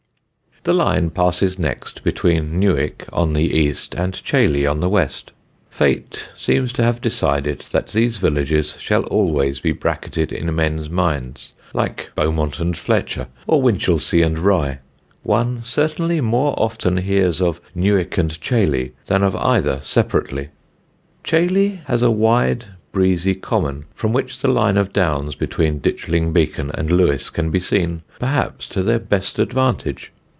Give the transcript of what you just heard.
The line passes next between Newick, on the east, and Chailey on the west. Fate seems to have decided that these villages shall always be bracketed in men's minds, like Beaumont and Fletcher, or Winchelsea and Rye: one certainly more often hears of "Newick and Chailey" than of either separately. Chailey has a wide breezy common from which the line of Downs between Ditchling Beacon and Lewes can be seen perhaps to their best advantage.